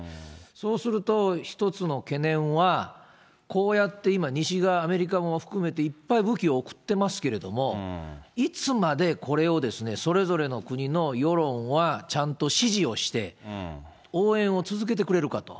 そうすると、一つの懸念は、こうやって今、西側、アメリカも含めていっぱい武器を送ってますけども、いつまでこれをそれぞれの国の世論はちゃんと支持をして、応援を続けてくれるかと。